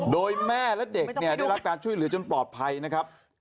โดยแม่และเด็กเนี่ยได้รับการช่วยเหลือจนปลอดภัยนะครับ